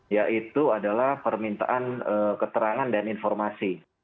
yaitu adalah permintaan keterangan dan informasi